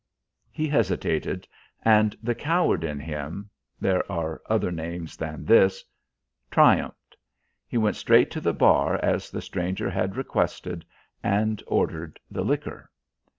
He hesitated, and the coward in him (there are other names than this) triumphed. He went straight to the bar as the stranger had requested, and ordered the liquor.